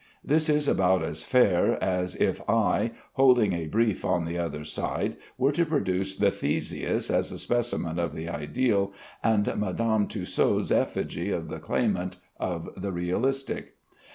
This is about as fair as if I, holding a brief on the other side, were to produce the Theseus as a specimen of the ideal, and Madame Tussaud's effigy of the Claimant, of the realistic.